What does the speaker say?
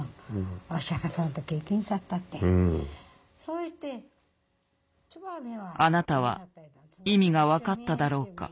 あなたは意味が分かっただろうか？